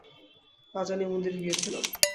পাজানি মন্দিরে গিয়েছিলাম।